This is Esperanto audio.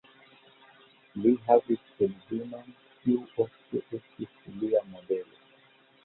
Li havis edzinon, kiu ofte estis lia modelo.